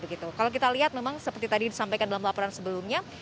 kalau kita lihat memang seperti tadi disampaikan dalam laporan sebelumnya